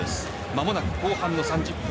間もなく後半の３０分。